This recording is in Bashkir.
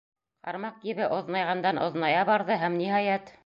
Ҡармаҡ ебе оҙонайғандан-оҙоная барҙы һәм, ниһайәт